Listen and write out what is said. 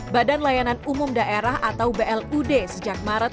badan layanan umum daerah atau blud sejak maret dua ribu dua puluh dua